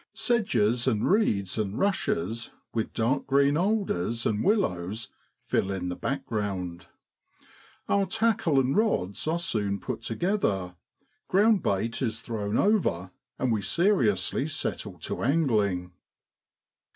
Sedges and reeds and rushes, with dark green alders and wil lows, fill in the back ground. Our tackle and rods are soon put together : ground bait is thrown over, and we seriously settle to angling.